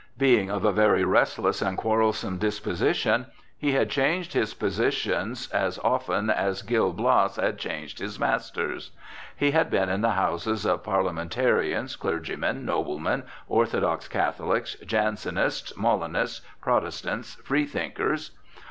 Being of a very restless and quarrelsome disposition, he had changed his positions as often as Gil Blas had changed his masters. He had been in the houses of parliamentarians, clergymen, noblemen, orthodox Catholics, Jansenists, Molinists, Protestants, free thinkers.